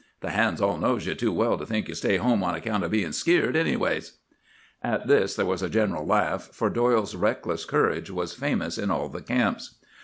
The hands all knows you too well to think you stay home on account of bein' skeered, anyways!' "At this there was a general laugh; for Doyle's reckless courage was famous in all the camps.